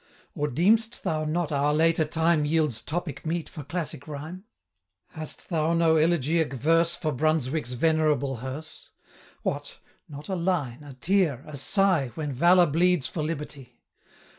'Or deem'st thou not our later time Yields topic meet for classic rhyme? Hast thou no elegiac verse 45 For Brunswick's venerable hearse? What! not a line, a tear, a sigh, When valour bleeds for liberty?